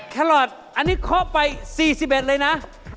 แคลอร์ตอันนี้เขาไป๔๐บิตเลยนะ